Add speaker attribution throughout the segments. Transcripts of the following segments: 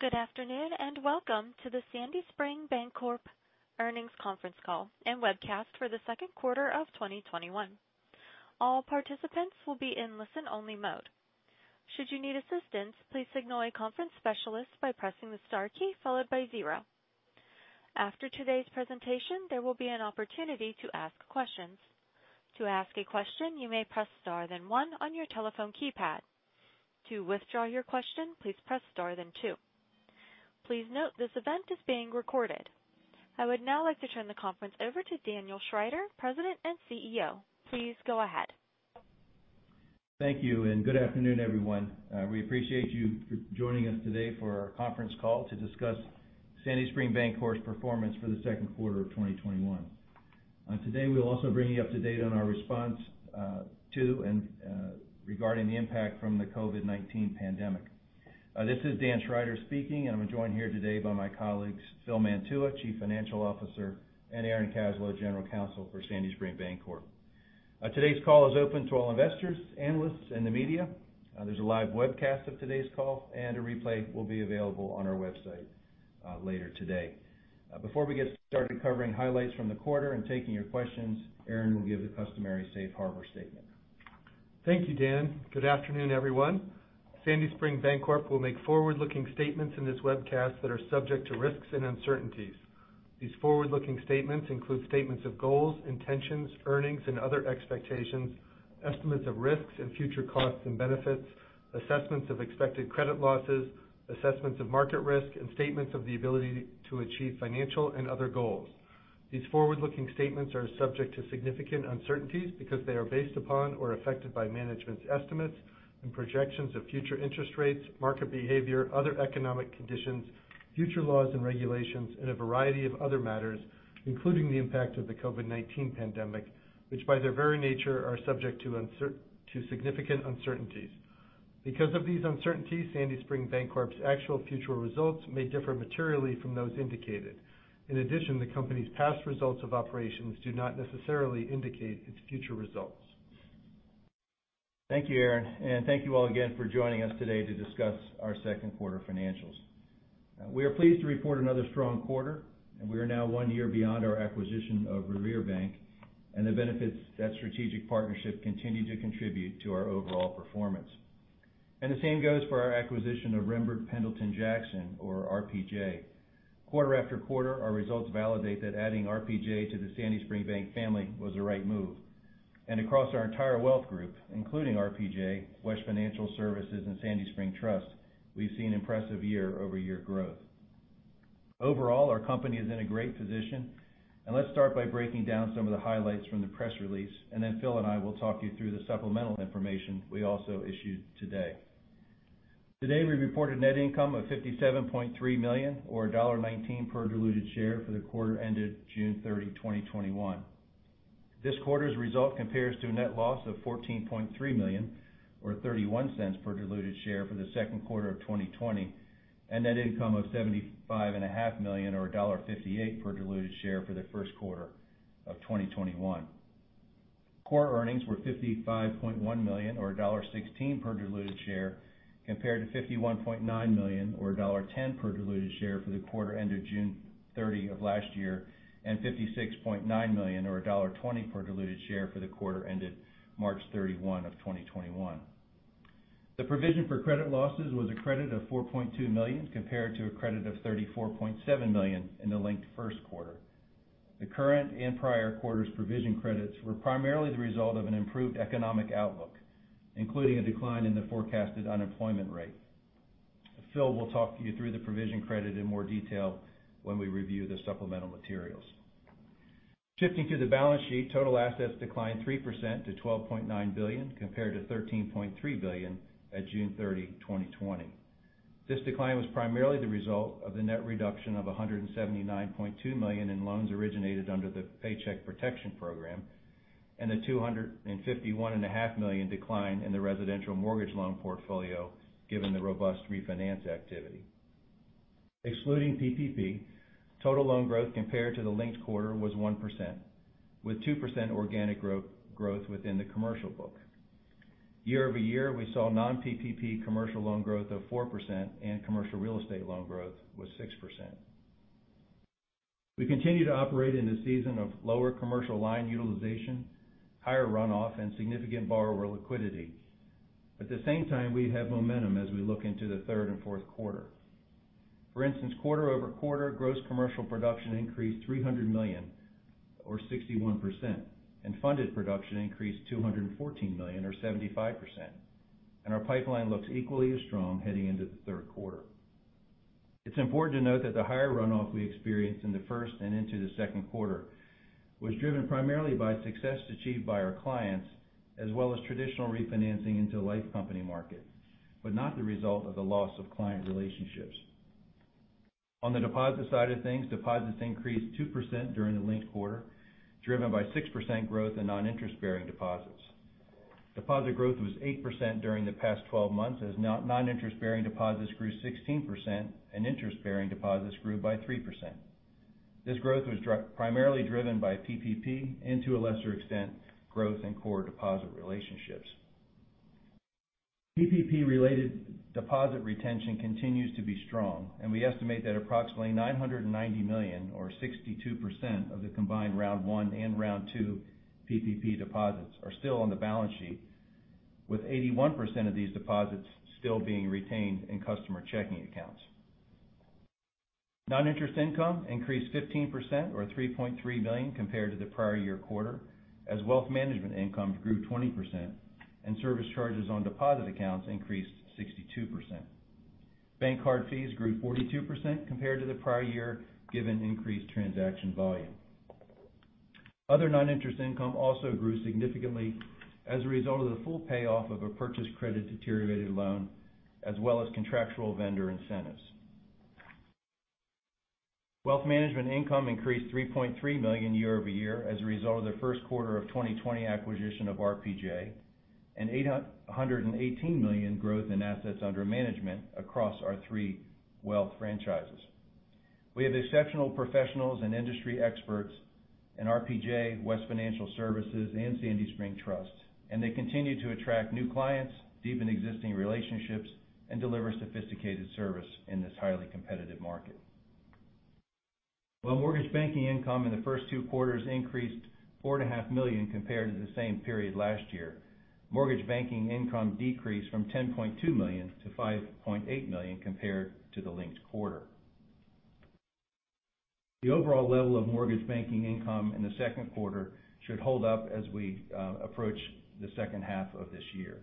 Speaker 1: Good afternoon, and welcome to the Sandy Spring Bancorp earnings conference call and webcast for the second quarter of 2021. All participants will be in listen-only mode. Should you need assistance, please signal a conference specialist by pressing the star key followed by zero. After today's presentation there will be an opportunity to ask a question. To ask a question, you may press star then one on your telephone keypad. To withdraw your question, please press star then two. Please note that this event is being recorded. I would now like to turn the conference over to Daniel Schrider, President and CEO. Please go ahead.
Speaker 2: Thank you, and good afternoon, everyone. We appreciate you for joining us today for our conference call to discuss Sandy Spring Bancorp's performance for the second quarter of 2021. Today, we'll also bring you up to date on our response to and regarding the impact from the COVID-19 pandemic. This is Daniel Schrider speaking, and I'm joined here today by my colleagues, Phil Mantua, Chief Financial Officer, and Aaron Kaslow, General Counsel for Sandy Spring Bancorp. Today's call is open to all investors, analysts, and the media. There's a live webcast of today's call, and a replay will be available on our website later today. Before we get started covering highlights from the quarter and taking your questions, Aaron will give the customary safe harbor statement.
Speaker 3: Thank you, Dan. Good afternoon, everyone. Sandy Spring Bancorp will make forward-looking statements in this webcast that are subject to risks and uncertainties. These forward-looking statements include statements of goals, intentions, earnings, and other expectations, estimates of risks and future costs and benefits, assessments of expected credit losses, assessments of market risk, and statements of the ability to achieve financial and other goals. These forward-looking statements are subject to significant uncertainties because they are based upon or affected by management's estimates and projections of future interest rates, market behavior, other economic conditions, future laws and regulations, and a variety of other matters, including the impact of the COVID-19 pandemic, which, by their very nature, are subject to significant uncertainties. Because of these uncertainties, Sandy Spring Bancorp's actual future results may differ materially from those indicated. In addition, the company's past results of operations do not necessarily indicate its future results.
Speaker 2: Thank you, Aaron. Thank you all again for joining us today to discuss our second quarter financials. We are pleased to report another strong quarter, we are now one year beyond our acquisition of Revere Bank, and the benefits of that strategic partnership continue to contribute to our overall performance. The same goes for our acquisition of Rembert Pendleton Jackson, or RPJ. Quarter-after-quarter, our results validate that adding RPJ to the Sandy Spring Bank family was the right move. Across our entire wealth group, including RPJ, West Financial Services, and Sandy Spring Trust, we've seen impressive year-over-year growth. Overall, our company is in a great position. Let's start by breaking down some of the highlights from the press release, and then Phil and I will talk you through the supplemental information we also issued today. Today, we reported net income of $57.3 million or $1.19 per diluted share for the quarter ended June 30, 2021. This quarter's result compares to a net loss of $14.3 million or $0.31 per diluted share for the second quarter of 2020 and net income of $75.5 million, or $1.58 per diluted share for the first quarter of 2021. Core earnings were $55.1 million or $1.16 per diluted share, compared to $51.9 million or $1.10 per diluted share for the quarter ended June 30 of last year and $56.9 million or $1.20 per diluted share for the quarter ended March 31 of 2021. The provision for credit losses was a credit of $4.2 million compared to a credit of $34.7 million in the linked first quarter. The current and prior quarter's provision credits were primarily the result of an improved economic outlook, including a decline in the forecasted unemployment rate. Phil will talk you through the provision credit in more detail when we review the supplemental materials. Shifting to the balance sheet, total assets declined 3% to $12.9 billion, compared to $13.3 billion at June 30, 2020. This decline was primarily the result of the net reduction of $179.2 million in loans originated under the Paycheck Protection Program and a $251.5 million decline in the residential mortgage loan portfolio, given the robust refinance activity. Excluding PPP, total loan growth compared to the linked quarter was 1%, with 2% organic growth within the commercial book. Year-over-year, we saw non-PPP commercial loan growth of 4%, and commercial real estate loan growth was 6%. We continue to operate in the season of lower commercial line utilization, higher runoff, and significant borrower liquidity. At the same time, we have momentum as we look into the third and fourth quarter. For instance, quarter-over-quarter, gross commercial production increased $300 million, or 61%, and funded production increased $214 million or 75%. Our pipeline looks equally as strong heading into the third quarter. It's important to note that the higher runoff we experienced in the first and into the second quarter was driven primarily by success achieved by our clients as well as traditional refinancing into the life company market, but not the result of the loss of client relationships. On the deposit side of things, deposits increased 2% during the linked quarter, driven by 6% growth in non-interest-bearing deposits. Deposit growth was 8% during the past 12 months as non-interest-bearing deposits grew 16% and interest-bearing deposits grew by 3%. This growth was primarily driven by PPP and to a lesser extent, growth in core deposit relationships. PPP-related deposit retention continues to be strong, and we estimate that approximately $990 million, or 62% of the combined Round one and Round two PPP deposits are still on the balance sheet, with 81% of these deposits still being retained in customer checking accounts. Non-interest income increased 15%, or $3.3 million compared to the prior year quarter, as wealth management income grew 20% and service charges on deposit accounts increased 62%. Bank card fees grew 42% compared to the prior year, given increased transaction volume. Other non-interest income also grew significantly as a result of the full payoff of a purchased credit deteriorated loan, as well as contractual vendor incentives. Wealth management income increased $3.3 million year-over-year as a result of the first quarter of 2020 acquisition of RPJ and $818 million growth in assets under management across our three wealth franchises. We have exceptional professionals and industry experts in RPJ, West Financial Services, and Sandy Spring Trust, and they continue to attract new clients, deepen existing relationships, and deliver sophisticated service in this highly competitive market. While mortgage banking income in the first two quarters increased four and a half million compared to the same period last year, mortgage banking income decreased from $10.2 million to $5.8 million compared to the linked quarter. The overall level of mortgage banking income in the second quarter should hold up as we approach the second half of this year.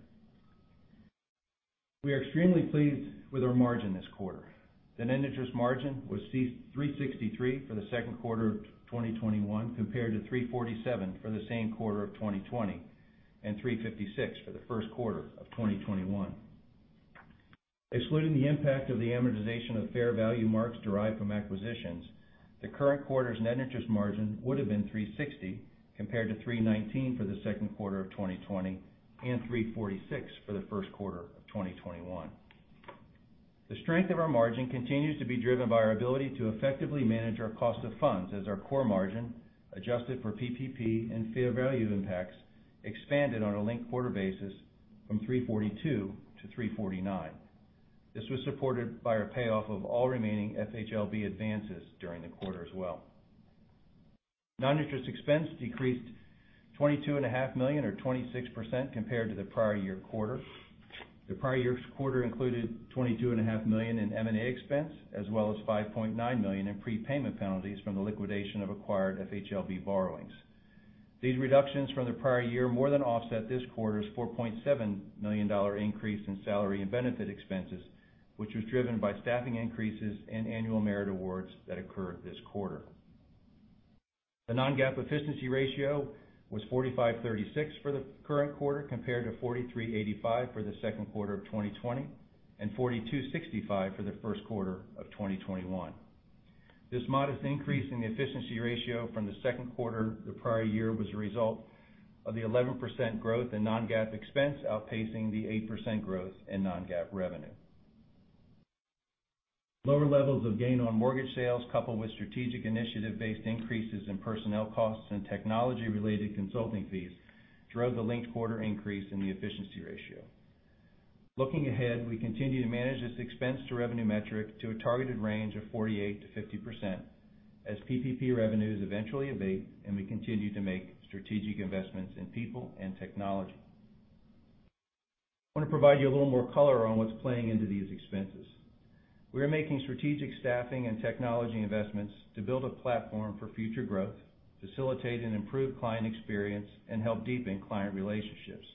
Speaker 2: We are extremely pleased with our margin this quarter. The net interest margin was 363 for the second quarter of 2021, compared to 347 for the same quarter of 2020 and 356 for the first quarter of 2021. Excluding the impact of the amortization of fair value marks derived from acquisitions, the current quarter's net interest margin would've been 360 compared to 319 for the second quarter of 2020 and 346 for the first quarter of 2021. The strength of our margin continues to be driven by our ability to effectively manage our cost of funds as our core margin, adjusted for PPP and fair value impacts, expanded on a linked quarter basis from 342 to 349. This was supported by our payoff of all remaining FHLB advances during the quarter as well. Non-interest expense decreased $22.5 million or 26% compared to the prior year quarter. The prior year quarter included $22.5 million in M&A expense, as well as $5.9 million in prepayment penalties from the liquidation of acquired FHLB borrowings. These reductions from the prior year more than offset this quarter's $4.7 million increase in salary and benefit expenses, which was driven by staffing increases and annual merit awards that occurred this quarter. The non-GAAP efficiency ratio was 45.36% for the current quarter, compared to 43.85% for the second quarter of 2020 and 42.65% for the first quarter of 2021. This modest increase in the efficiency ratio from the second quarter the prior year was a result of the 11% growth in non-GAAP expense outpacing the 8% growth in non-GAAP revenue. Lower levels of gain on mortgage sales, coupled with strategic initiative-based increases in personnel costs and technology-related consulting fees, drove the linked quarter increase in the efficiency ratio. Looking ahead, we continue to manage this expense to revenue metric to a targeted range of 48%-50% as PPP revenues eventually abate and we continue to make strategic investments in people and technology. I want to provide you a little more color on what's playing into these expenses. We are making strategic staffing and technology investments to build a platform for future growth, facilitate an improved client experience, and help deepen client relationships.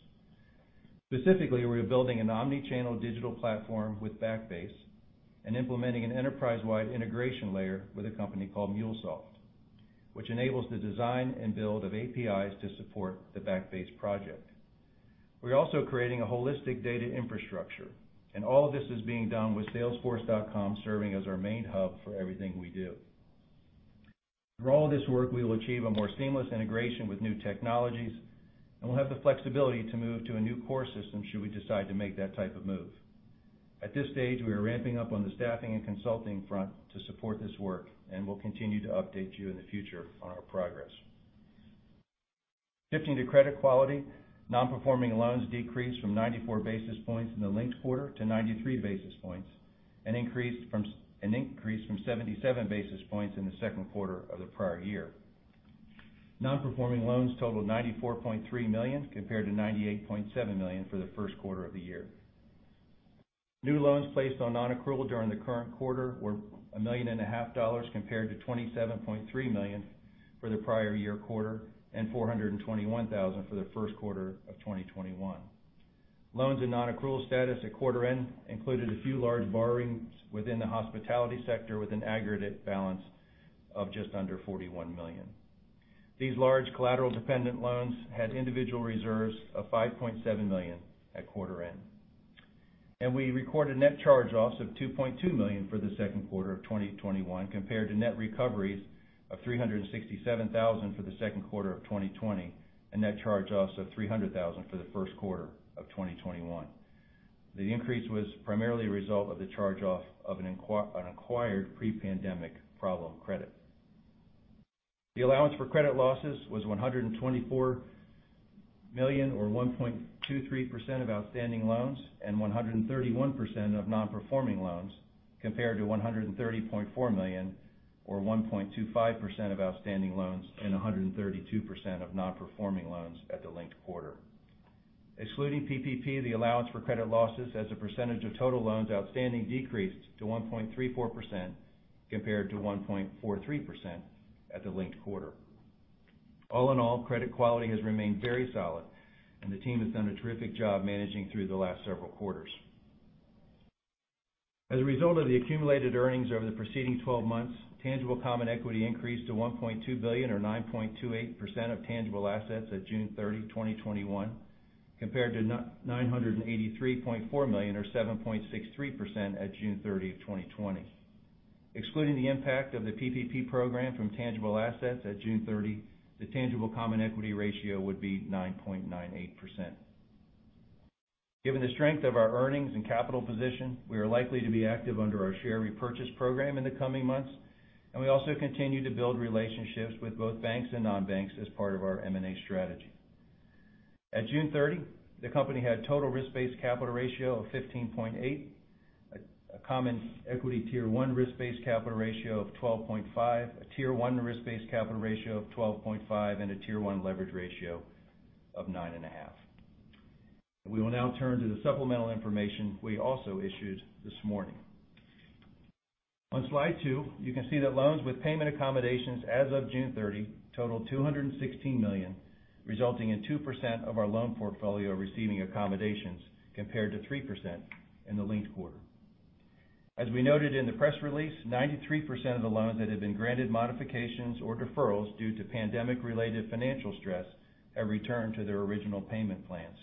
Speaker 2: Specifically, we are building an omni-channel digital platform with Backbase and implementing an enterprise-wide integration layer with a company called MuleSoft, which enables the design and build of APIs to support the Backbase project. We're also creating a holistic data infrastructure, and all of this is being done with salesforce.com serving as our main hub for everything we do. Through all this work, we will achieve a more seamless integration with new technologies, and we'll have the flexibility to move to a new core system should we decide to make that type of move. At this stage, we are ramping up on the staffing and consulting front to support this work, and we'll continue to update you in the future on our progress. Shifting to credit quality, non-performing loans decreased from 94 basis points in the linked quarter to 93 basis points, an increase from 77 basis points in the second quarter of the prior year. Non-performing loans totaled $94.3 million, compared to $98.7 million for the first quarter of the year. New loans placed on non-accrual during the current quarter were a million and a half dollars, compared to $27.3 million for the prior year quarter and $421,000 for the first quarter of 2021. Loans in non-accrual status at quarter end included a few large borrowings within the hospitality sector with an aggregate balance of just under $41 million. These large collateral-dependent loans had individual reserves of $5.7 million at quarter end. We recorded net charge-offs of $2.2 million for the second quarter of 2021, compared to net recoveries of $367,000 for the second quarter of 2020, a net charge-offs of $300,000 for the first quarter of 2021. The increase was primarily a result of the charge-off of an acquired pre-pandemic problem credit. The allowance for credit losses was $124 million, or 1.23% of outstanding loans, and 131% of non-performing loans, compared to $130.4 million, or 1.25% of outstanding loans, and 132% of non-performing loans at the linked quarter. Excluding PPP, the allowance for credit losses as a percentage of total loans outstanding decreased to 1.34%, compared to 1.43% at the linked quarter. All in all, credit quality has remained very solid, and the team has done a terrific job managing through the last several quarters. As a result of the accumulated earnings over the preceding 12 months, tangible common equity increased to $1.2 billion, or 9.28% of tangible assets at June 30, 2021, compared to $983.4 million, or 7.63% at June 30, 2020. Excluding the impact of the PPP program from tangible assets at June 30, the tangible common equity ratio would be 9.98%. Given the strength of our earnings and capital position, we are likely to be active under our share repurchase program in the coming months, and we also continue to build relationships with both banks and non-banks as part of our M&A strategy. At June 30, the company had total risk-based capital ratio of 15.8%, a common equity tier one risk-based capital ratio of 12.5%, a tier one risk-based capital ratio of 12.5%, and a tier one leverage ratio of 9.5%. We will now turn to the supplemental information we also issued this morning. On Slide two, you can see that loans with payment accommodations as of June 30 totaled $216 million, resulting in 2% of our loan portfolio receiving accommodations, compared to 3% in the linked quarter. As we noted in the press release, 93% of the loans that had been granted modifications or deferrals due to pandemic-related financial stress have returned to their original payment plans.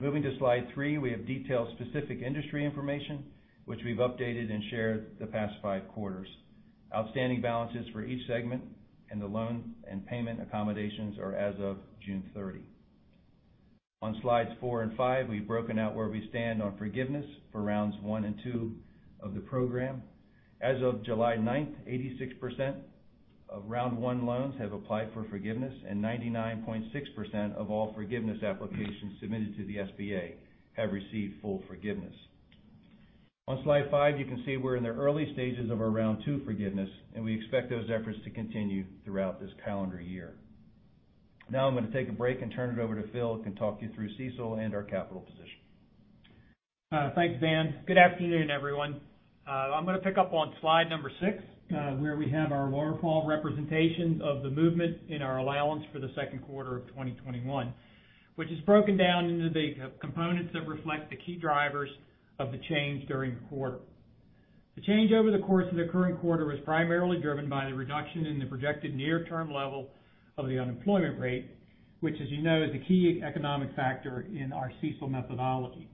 Speaker 2: Moving to Slide three, we have detailed specific industry information, which we've updated and shared the past five quarters. Outstanding balances for each segment and the loan and payment accommodations are as of June 30. On slides four and five, we've broken out where we stand on forgiveness for Rounds one and two of the program. As of July 9th, 86% of Round One loans have applied for forgiveness, and 99.6% of all forgiveness applications submitted to the SBA have received full forgiveness. On slide five, you can see we're in the early stages of our Round two forgiveness, and we expect those efforts to continue throughout this calendar year. I'm going to take a break and turn it over to Phil, who can talk you through CECL and our capital position.
Speaker 4: Thanks, Dan. Good afternoon, everyone. I'm going to pick up on slide number six, where we have our waterfall representation of the movement in our allowance for the second quarter of 2021, which is broken down into the components that reflect the key drivers of the change during the quarter. The change over the course of the current quarter was primarily driven by the reduction in the projected near-term level of the unemployment rate, which, as you know, is the key economic factor in our CECL methodology.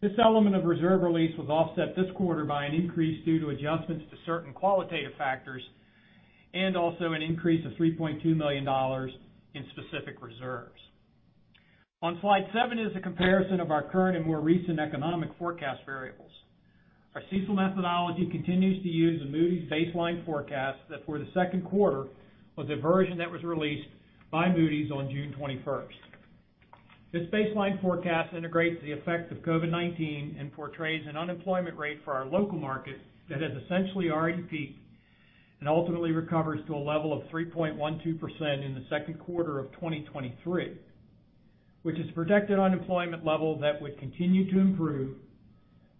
Speaker 4: This element of reserve release was offset this quarter by an increase due to adjustments to certain qualitative factors, and also an increase of $3.2 million in specific reserves. On slide seven is a comparison of our current and more recent economic forecast variables. Our CECL methodology continues to use the Moody's baseline forecast that for the second quarter was a version that was released by Moody's on June 21st. This baseline forecast integrates the effects of COVID-19 and portrays an unemployment rate for our local market that has essentially already peaked and ultimately recovers to a level of 3.12% in the second quarter of 2023, which is a projected unemployment level that would continue to improve,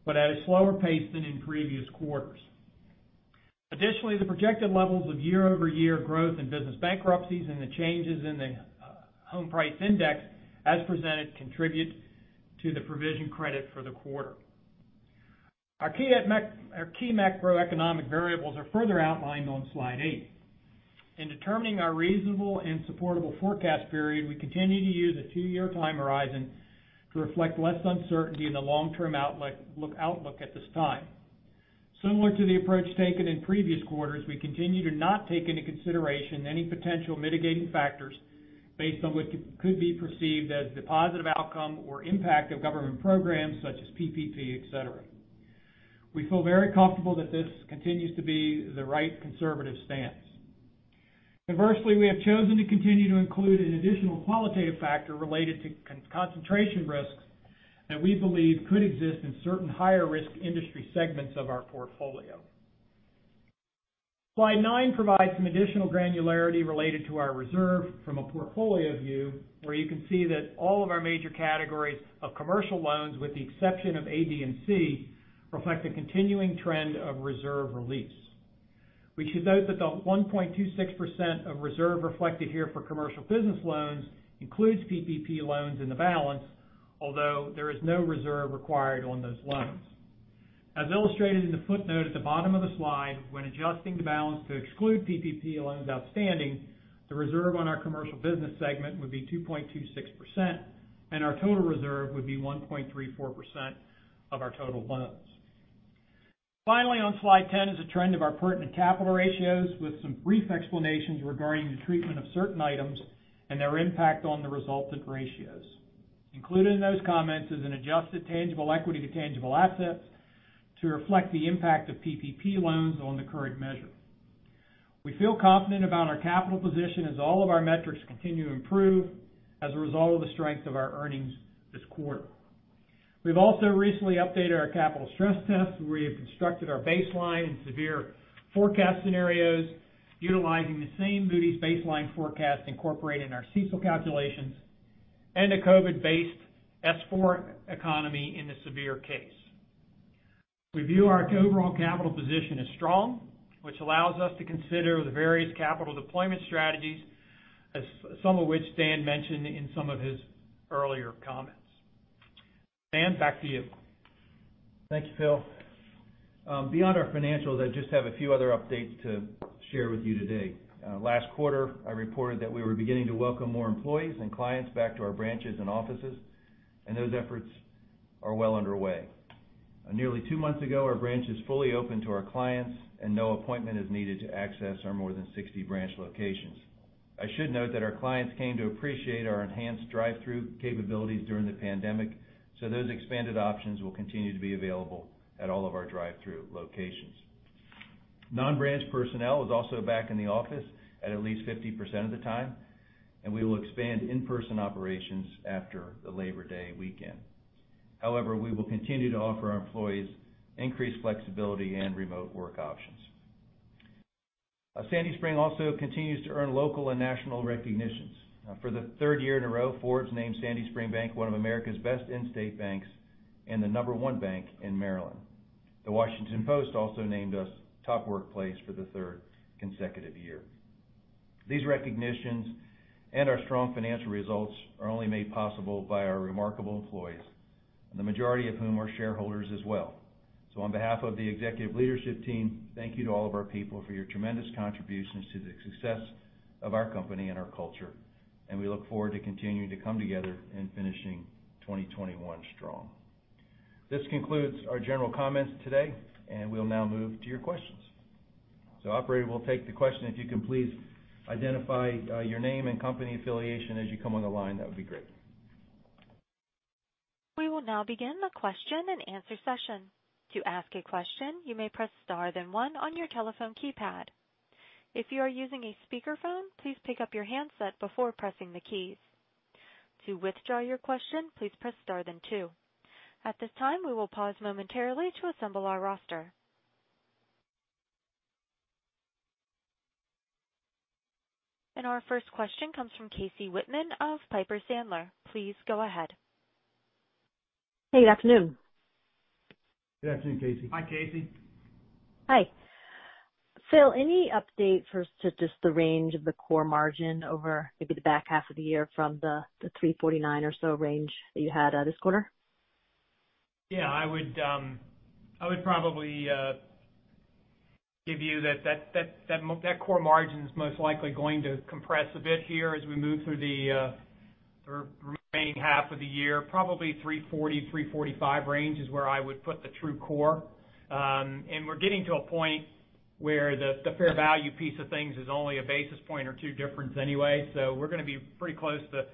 Speaker 4: but at a slower pace than in previous quarters. Additionally, the projected levels of year-over-year growth in business bankruptcies and the changes in the home price index as presented contribute to the provision credit for the quarter. Our key macroeconomic variables are further outlined on slide eight. In determining our reasonable and supportable forecast period, we continue to use a two-year time horizon to reflect less uncertainty in the long-term outlook at this time. Similar to the approach taken in previous quarters, we continue to not take into consideration any potential mitigating factors based on what could be perceived as the positive outcome or impact of government programs such as PPP, et cetera. We feel very comfortable that this continues to be the right conservative stance. Inversely, we have chosen to continue to include an additional qualitative factor related to concentration risks that we believe could exist in certain higher-risk industry segments of our portfolio. Slide nine provides some additional granularity related to our reserve from a portfolio view, where you can see that all of our major categories of commercial loans, with the exception of AD&C, reflect a continuing trend of reserve release. We should note that the 1.26% of reserve reflected here for commercial business loans includes PPP loans in the balance, although there is no reserve required on those loans. As illustrated in the footnote at the bottom of the slide, when adjusting the balance to exclude PPP loans outstanding, the reserve on our commercial business segment would be 2.26%, and our total reserve would be 1.34% of our total loans. Finally, on slide 10 is a trend of our pertinent capital ratios with some brief explanations regarding the treatment of certain items and their impact on the resultant ratios. Included in those comments is an adjusted tangible equity to tangible assets to reflect the impact of PPP loans on the current measure. We feel confident about our capital position as all of our metrics continue to improve as a result of the strength of our earnings this quarter. We've also recently updated our capital stress test, where we have constructed our baseline and severe forecast scenarios utilizing the same Moody's baseline forecast incorporated in our CECL calculations and a COVID-19-based S4 economy in the severe case. We view our overall capital position as strong, which allows us to consider the various capital deployment strategies, some of which Dan mentioned in some of his earlier comments. Dan, back to you.
Speaker 2: Thank you, Phil. Beyond our financials, I just have a few other updates to share with you today. Last quarter, I reported that we were beginning to welcome more employees and clients back to our branches and offices. Those efforts are well underway. Nearly two months ago, our branch is fully open to our clients. No appointment is needed to access our more than 60 branch locations. I should note that our clients came to appreciate our enhanced drive-through capabilities during the pandemic. Those expanded options will continue to be available at all of our drive-through locations. Non-branch personnel is also back in the office at least 50% of the time, and we will expand in-person operations after the Labor Day weekend. However, we will continue to offer our employees increased flexibility and remote work options. Sandy Spring also continues to earn local and national recognitions. For the third year in a row, Forbes named Sandy Spring Bank one of America's best in-state banks and the number one bank in Maryland. The Washington Post also named us Top Workplace for the third consecutive year. These recognitions and our strong financial results are only made possible by our remarkable employees, the majority of whom are shareholders as well. On behalf of the executive leadership team, thank you to all of our people for your tremendous contributions to the success of our company and our culture, and we look forward to continuing to come together in finishing 2021 strong. This concludes our general comments today, and we'll now move to your questions. Operator, we'll take the question. If you can please identify your name and company affiliation as you come on the line, that would be great.
Speaker 1: We will now begin the question and answer session. To ask a question, you may press star then one on your telephone keypad. If you are using a speakerphone, please pick up your handset before pressing the keys. To withdraw your question, please press star then two. At this time, we will pause momentarily to assemble our roster. Our first question comes from Casey Whitman of Piper Sandler. Please go ahead.
Speaker 5: Hey, good afternoon.
Speaker 2: Good afternoon, Casey.
Speaker 4: Hi, Casey.
Speaker 5: Hi. Phil, any update for just the range of the core margin over maybe the back half of the year from the 349 or so range that you had this quarter?
Speaker 4: Yeah, I would probably give you that core margin's most likely going to compress a bit here as we move through the remaining half of the year. Probably 340-345 range is where I would put the true core. We're getting to a point where the fair value piece of things is only a basis point or two difference anyway. We're going to be pretty close to,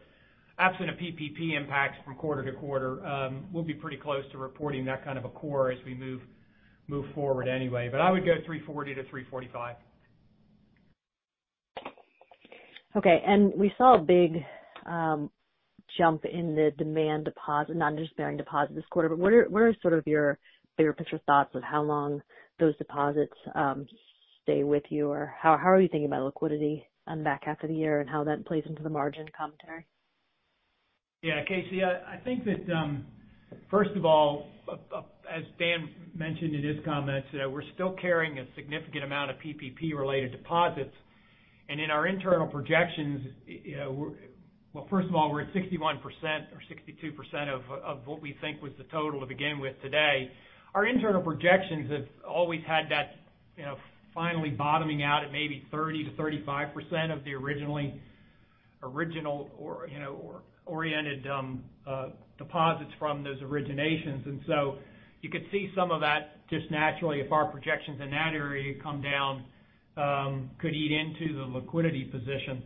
Speaker 4: absent of PPP impacts from quarter-to-quarter, we'll be pretty close to reporting that kind of a core as we move forward anyway. I would go 340-345.
Speaker 5: Okay. We saw a big jump in the demand deposit, non-interest-bearing deposit this quarter. What are your bigger picture thoughts of how long those deposits stay with you? How are you thinking about liquidity on the back half of the year and how that plays into the margin commentary?
Speaker 4: Casey, I think that first of all, as Dan mentioned in his comments, we're still carrying a significant amount of PPP related deposits. In our internal projections, well, first of all, we're at 61% or 62% of what we think was the total to begin with today. Our internal projections have always had that finally bottoming out at maybe 30%-35% of the original oriented deposits from those originations. You could see some of that just naturally, if our projections in that area come down, could eat into the liquidity position.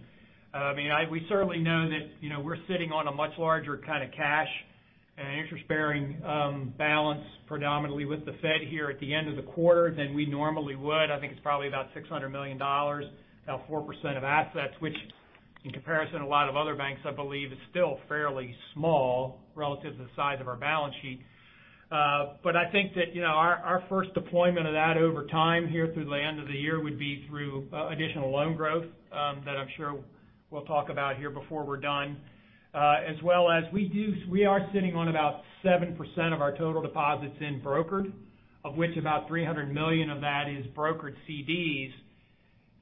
Speaker 4: We certainly know that we're sitting on a much larger kind of cash and interest-bearing balance predominantly with the Fed here at the end of the quarter than we normally would. I think it's probably about $600 million, about 4% of assets, which in comparison to a lot of other banks, I believe is still fairly small relative to the size of our balance sheet. I think that our first deployment of that over time here through the end of the year would be through additional loan growth, that I'm sure we'll talk about here before we're done. As well as we are sitting on about 7% of our total deposits in brokered, of which about $300 million of that is brokered CDs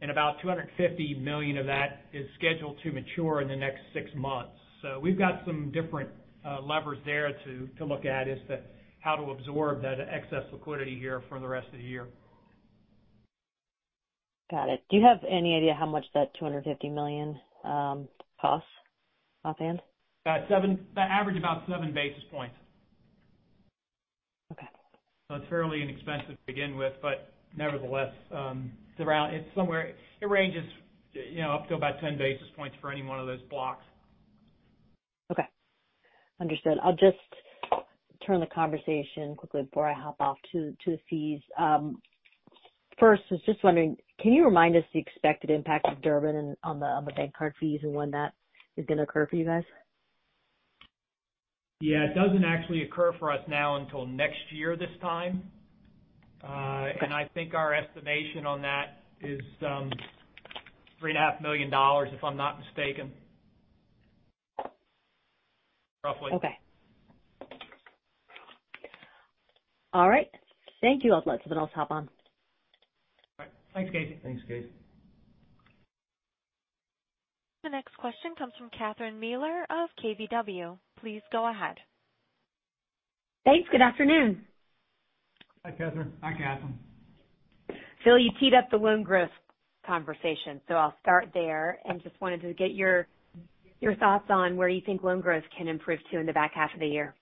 Speaker 4: and about $250 million of that is scheduled to mature in the next six months. We've got some different levers there to look at, is that how to absorb that excess liquidity here for the rest of the year.
Speaker 5: Got it. Do you have any idea how much that $250 million costs offhand?
Speaker 4: That average about 7 basis points.
Speaker 5: Okay.
Speaker 4: It's fairly inexpensive to begin with, but nevertheless, it ranges up to about 10 basis points for any one of those blocks.
Speaker 5: Okay. Understood. I'll just turn the conversation quickly before I hop off to the fees. First, I was just wondering, can you remind us the expected impact of Durbin on the bank card fees and when that is going to occur for you guys?
Speaker 4: Yeah. It doesn't actually occur for us now until next year this time. I think our estimation on that is $3.5 million, if I'm not mistaken. Roughly.
Speaker 5: Okay. All right. Thank you. I'll let someone else hop on.
Speaker 4: All right. Thanks, Casey.
Speaker 2: Thanks, Casey.
Speaker 1: The next question comes from Catherine Mealor of KBW. Please go ahead.
Speaker 6: Thanks. Good afternoon.
Speaker 4: Hi, Catherine.
Speaker 2: Hi, Catherine.
Speaker 6: Phil, you teed up the loan growth conversation. I'll start there and just wanted to get your thoughts on where you think loan growth can improve to in the back half of the year.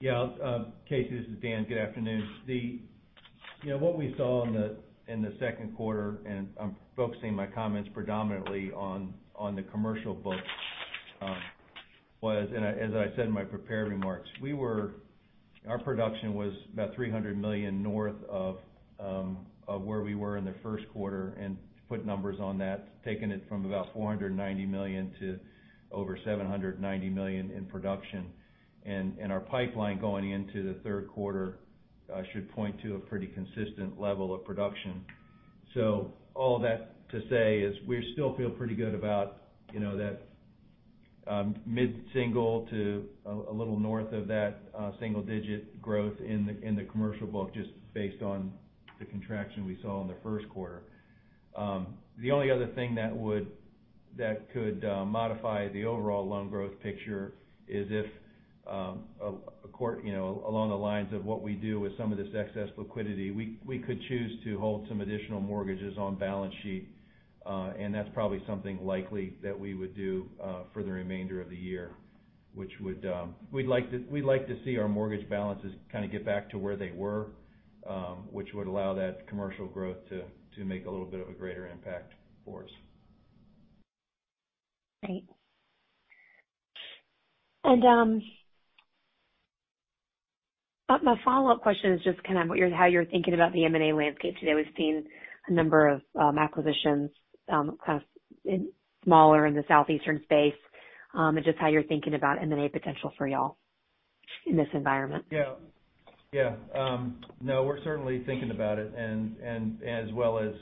Speaker 2: Yeah. Catherine, this is Dan. Good afternoon. What we saw in the second quarter, and I'm focusing my comments predominantly on the commercial book was, and as I said in my prepared remarks, our production was about $300 million north of where we were in the first quarter, and to put numbers on that, taking it from about $490 million to over $790 million in production. Our pipeline going into the third quarter should point to a pretty consistent level of production. All that to say is we still feel pretty good about that mid-single to a little north of that single-digit growth in the commercial book just based on the contraction we saw in the first quarter. The only other thing that could modify the overall loan growth picture is if along the lines of what we do with some of this excess liquidity, we could choose to hold some additional mortgages on balance sheet. That's probably something likely that we would do for the remainder of the year. We'd like to see our mortgage balances kind of get back to where they were, which would allow that commercial growth to make a little bit of a greater impact for us.
Speaker 6: Great. My follow-up question is just kind of how you're thinking about the M&A landscape today. We've seen a number of acquisitions kind of smaller in the southeastern space, and just how you're thinking about M&A potential for you all in this environment.
Speaker 2: Yeah. No, we're certainly thinking about it, and as well as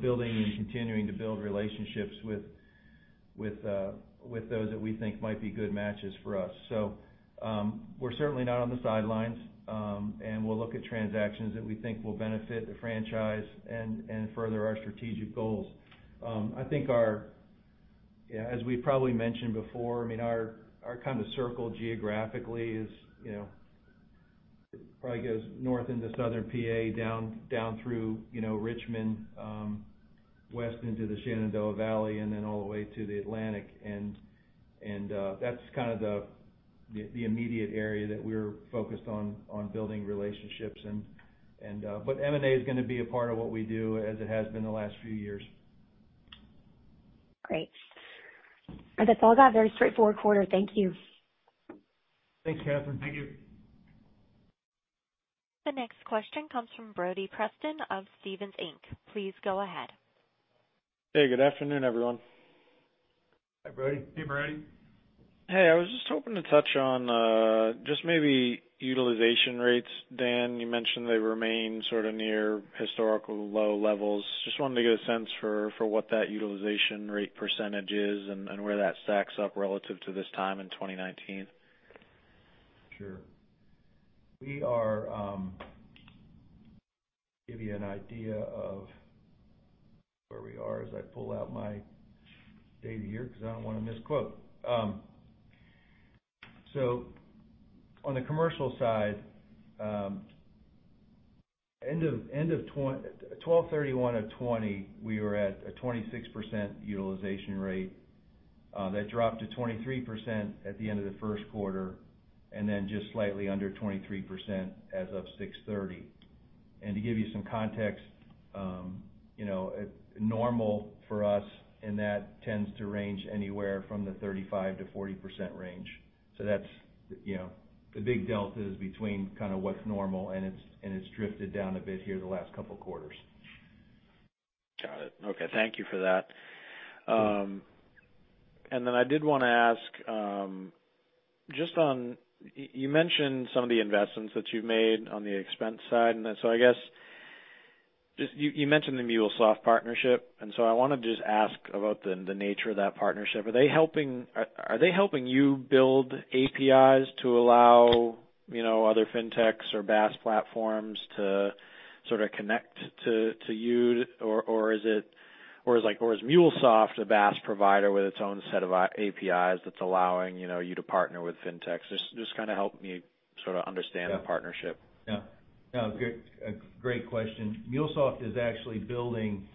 Speaker 2: building and continuing to build relationships with those that we think might be good matches for us. We're certainly not on the sidelines, and we'll look at transactions that we think will benefit the franchise and further our strategic goals. I think as we probably mentioned before, our kind of circle geographically probably goes north into southern P.A., down through Richmond, west into the Shenandoah Valley and then all the way to the Atlantic, and that's kind of the immediate area that we're focused on building relationships. M&A is going to be a part of what we do as it has been the last few years.
Speaker 6: Great. That's all I got. Very straightforward quarter. Thank you.
Speaker 4: Thanks, Catherine.
Speaker 2: Thank you.
Speaker 1: The next question comes from Brody Preston of Stephens Inc. Please go ahead.
Speaker 7: Hey, good afternoon, everyone.
Speaker 2: Hi, Brody.
Speaker 4: Hey, Brody.
Speaker 7: Hey. I was just hoping to touch on just maybe utilization rates. Dan, you mentioned they remain sort of near historical low levels. Just wanted to get a sense for what that utilization rate percentages is and where that stacks up relative to this time in 2019.
Speaker 2: Sure. Give you an idea of where we are as I pull out my data here because I don't want to misquote. On the commercial side, at 12/31/2020, we were at a 26% utilization rate. That dropped to 23% at the end of the first quarter and then just slightly under 23% as of 6/30. To give you some context, normal for us in that tends to range anywhere from the 35%-40% range. The big delta is between kind of what's normal, and it's drifted down a bit here the last couple of quarters.
Speaker 7: Got it. Okay. Thank you for that. I did want to ask, you mentioned some of the investments that you've made on the expense side, I guess you mentioned the MuleSoft partnership, I want to just ask about the nature of that partnership. Are they helping you build APIs to allow other fintechs or BaaS platforms to sort of connect to you? Or is MuleSoft a BaaS provider with its own set of APIs that's allowing you to partner with fintechs? Just kind of help me sort of understand the partnership.
Speaker 2: Yeah. No, great question. MuleSoft is actually building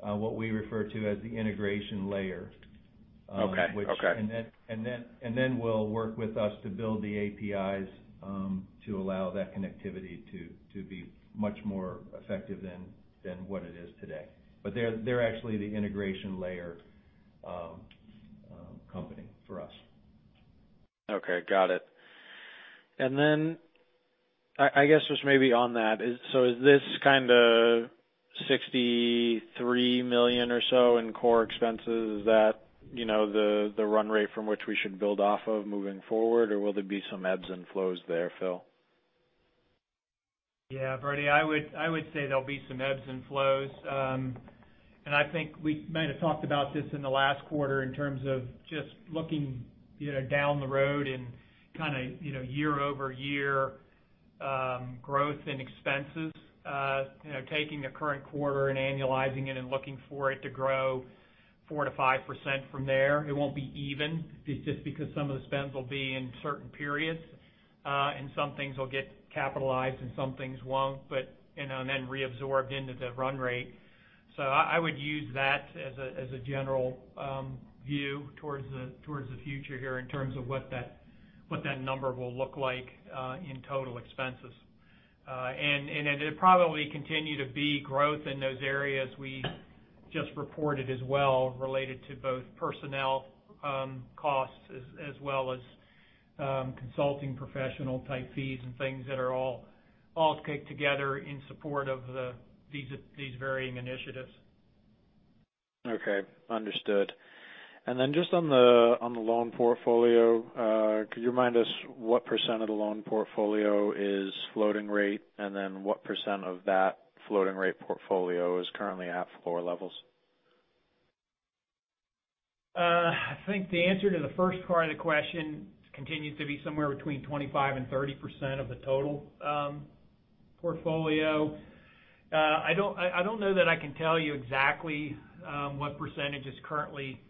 Speaker 2: what we refer to as the integration layer.
Speaker 7: Okay.
Speaker 2: Then will work with us to build the APIs to allow that connectivity to be much more effective than what it is today. They're actually the integration layer company for us.
Speaker 7: Okay. Got it. I guess just maybe on that, is this kind of $63 million or so in core expenses, is that the run rate from which we should build off of moving forward or will there be some ebbs and flows there, Phil?
Speaker 4: Yeah. Brody, I would say there'll be some ebbs and flows. I think we might have talked about this in the last quarter in terms of just looking down the road and kind of year-over-year growth in expenses. Taking the current quarter and annualizing it and looking for it to grow 4%-5% from there. It won't be even, just because some of the spends will be in certain periods. Some things will get capitalized and some things won't, and then reabsorbed into the run rate. I would use that as a general view towards the future here in terms of what that number will look like in total expenses. It'll probably continue to be growth in those areas we just reported as well, related to both personnel costs as well as consulting professional type fees and things that are all kicked together in support of these varying initiatives.
Speaker 7: Okay. Understood. Just on the loan portfolio, could you remind us what percent of the loan portfolio is floating rate? What percent of that floating rate portfolio is currently at floor levels?
Speaker 4: I think the answer to the first part of the question continues to be somewhere between 25%-30% of the total portfolio. I don't know that I can tell you exactly what percentage is currently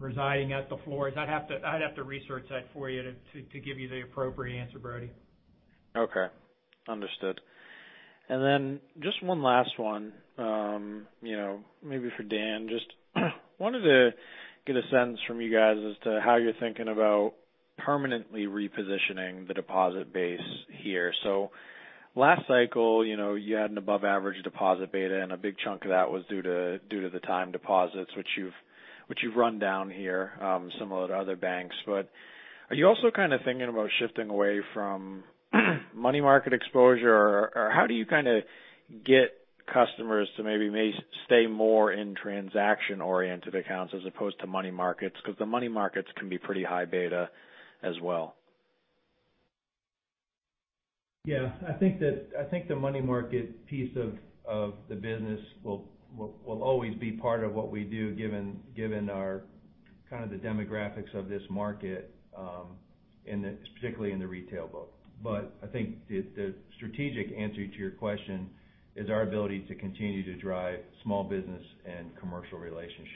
Speaker 4: residing at the floors. I'd have to research that for you to give you the appropriate answer, Brody.
Speaker 7: Okay. Understood. Then just one last one, maybe for Dan. Just wanted to get a sense from you guys as to how you're thinking about permanently repositioning the deposit base here. Last cycle, you had an above average deposit beta, and a big chunk of that was due to the time deposits which you've run down here, similar to other banks. Are you also kind of thinking about shifting away from money market exposure? How do you kind of get customers to maybe stay more in transaction oriented accounts as opposed to money markets? The money markets can be pretty high beta as well.
Speaker 2: Yeah. I think the money market piece of the business will always be part of what we do given kind of the demographics of this market, particularly in the retail book. I think the strategic answer to your question is our ability to continue to drive small business and commercial relationships.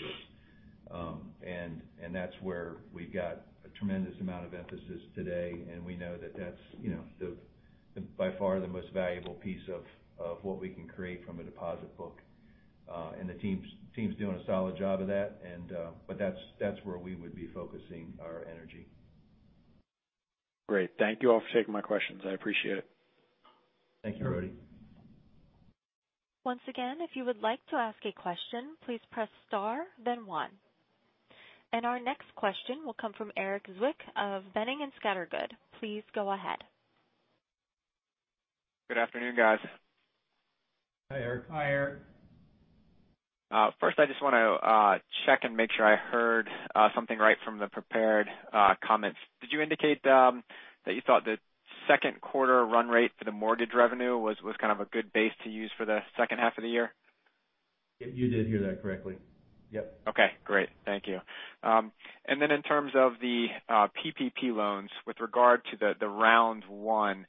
Speaker 2: That's where we've got a tremendous amount of emphasis today, and we know that that's by far the most valuable piece of what we can create from a deposit book. The team's doing a solid job of that, but that's where we would be focusing our energy.
Speaker 7: Great. Thank you all for taking my questions. I appreciate it.
Speaker 2: Thank you, Brody.
Speaker 1: Once again, if you would like to ask a question, please press star then one. Our next question will come from Erik Zwick of Boenning & Scattergood. Please go ahead.
Speaker 8: Good afternoon, guys.
Speaker 2: Hi, Erik.
Speaker 4: Hi, Erik.
Speaker 8: First I just want to check and make sure I heard something right from the prepared comments. Did you indicate that you thought the second quarter run rate for the mortgage revenue was kind of a good base to use for the second half of the year?
Speaker 2: You did hear that correctly. Yep.
Speaker 8: Okay, great. Thank you. Then in terms of the PPP loans, with regard to the Round one,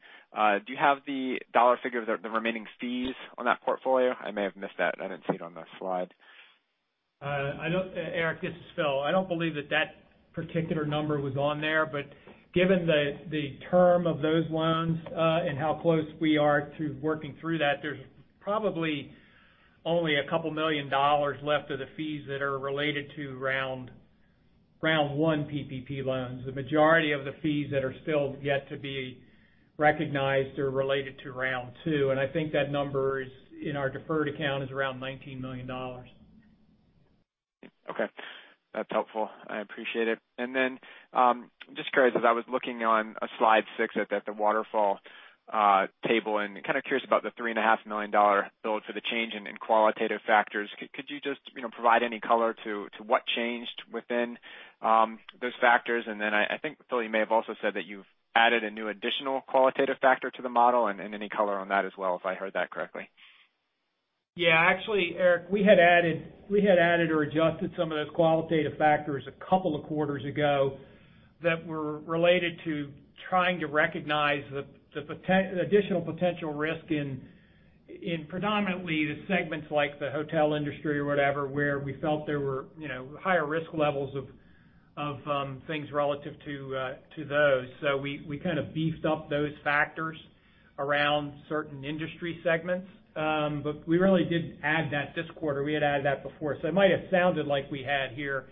Speaker 8: do you have the dollar figure of the remaining fees on that portfolio? I may have missed that. I didn't see it on the slide.
Speaker 4: Erik, this is Phil. I don't believe that that particular number was on there, but given the term of those loans, and how close we are to working through that, there's probably only a couple million dollars left of the fees that are related to round one PPP loans. The majority of the fees that are still yet to be recognized are related to round two, and I think that number in our deferred account is around $19 million.
Speaker 8: Okay. That's helpful. I appreciate it. Just curious as I was looking on slide six at the waterfall table, and kind of curious about the $3.5 million build for the change in qualitative factors. Could you just provide any color to what changed within those factors? I think, Phil, you may have also said that you've added a new additional qualitative factor to the model and any color on that as well, if I heard that correctly.
Speaker 4: Yeah. Actually, Erik, we had added or adjusted some of those qualitative factors a couple of quarters ago that were related to trying to recognize the additional potential risk in predominantly the segments like the hotel industry or whatever, where we felt there were higher risk levels of things relative to those. We kind of beefed up those factors. Around certain industry segments. We really didn't add that this quarter. We had added that before. It might have sounded like we had here,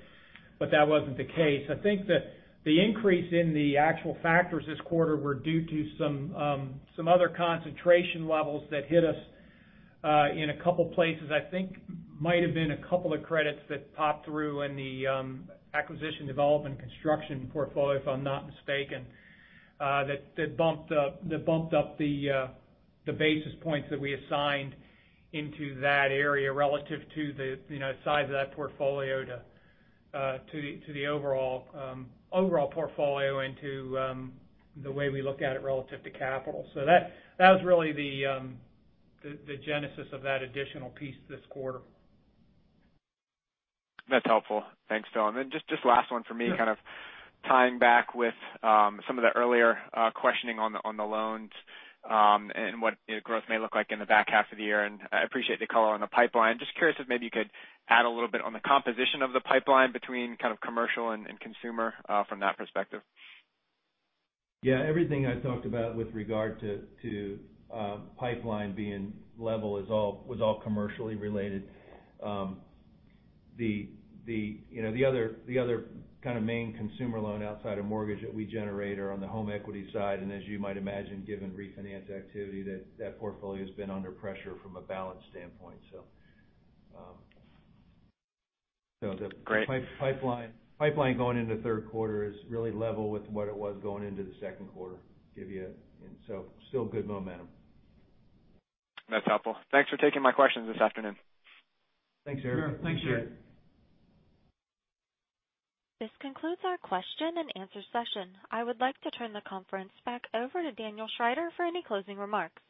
Speaker 4: but that wasn't the case. I think that the increase in the actual factors this quarter were due to some other concentration levels that hit us in a couple places. I think might have been a couple of credits that popped through in the acquisition development construction portfolio, if I'm not mistaken, that bumped up the basis points that we assigned into that area relative to the size of that portfolio to the overall portfolio and to the way we look at it relative to capital. That was really the genesis of that additional piece this quarter.
Speaker 8: That's helpful. Thanks, Phil. Just last one for me.
Speaker 2: Yeah.
Speaker 8: Kind of tying back with some of the earlier questioning on the loans, and what growth may look like in the back half of the year, and I appreciate the color on the pipeline. Just curious if maybe you could add a little bit on the composition of the pipeline between kind of commercial and consumer, from that perspective?
Speaker 2: Yeah. Everything I talked about with regard to pipeline being level was all commercially related. The other kind of main consumer loan outside of mortgage that we generate are on the home equity side. As you might imagine, given refinance activity, that portfolio's been under pressure from a balance standpoint.
Speaker 8: Great.
Speaker 2: The pipeline going into third quarter is really level with what it was going into the second quarter. Still good momentum.
Speaker 8: That's helpful. Thanks for taking my questions this afternoon.
Speaker 2: Thanks, Erik.
Speaker 4: Sure. Thanks, Erik.
Speaker 1: This concludes our question and answer session. I would like to turn the conference back over to Daniel Schrider for any closing remarks.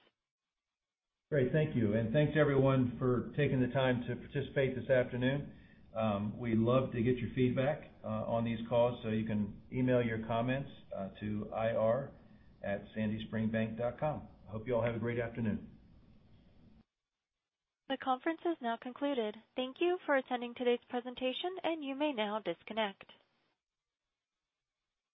Speaker 2: Great. Thank you. Thanks everyone for taking the time to participate this afternoon. We love to get your feedback on these calls so you can email your comments to ir@sandyspringbank.com. I hope you all have a great afternoon.
Speaker 1: The conference is now concluded. Thank you for attending today's presentation, and you may now disconnect.